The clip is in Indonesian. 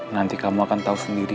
nanti kamu akan tahu sendiri